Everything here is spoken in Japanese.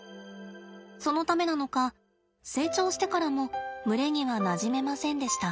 そのためなのか成長してからも群れにはなじめませんでした。